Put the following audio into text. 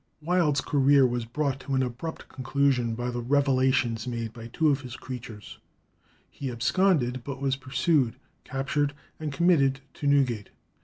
Wild's career was brought to an abrupt conclusion by the revelations made by two of his creatures. He absconded, but was pursued, captured, and committed to Newgate.